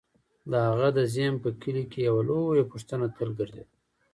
د هغه د ذهن په کلي کې یوه لویه پوښتنه تل ګرځېده: